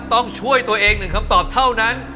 ต้องช่วยตัวเอง๑คำตอบเท่านั้น